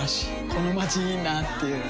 このまちいいなぁっていう